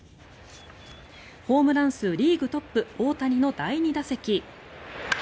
ホームラン数リーグトップ大谷の第２打席。